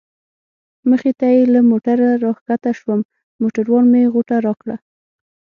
مخې ته یې له موټره را کښته شوم، موټروان مې غوټه راکړه.